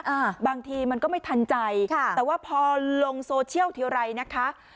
อ่าบางทีมันก็ไม่ทันใจค่ะแต่ว่าพอลงโซเชียลทีไรนะคะ